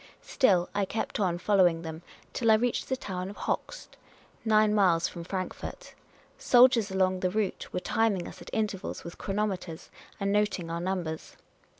Still I kept on following them, till I reached the town of Hochst — nine miles from Frankfort. Soldiers along the route were timing us at intervals with chronometers, and noting our numbers.